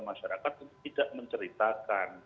masyarakat untuk tidak menceritakan